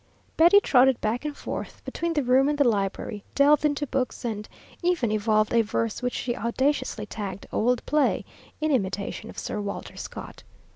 Betty trotted back and forth between the room and the library, delved into books, and even evolved a verse which she audaciously tagged "old play," in imitation of Sir Walter Scott.